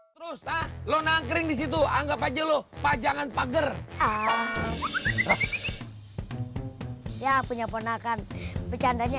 terus tak lona kering disitu anggap aja lu pajangan pager ya punya ponakan bercandanya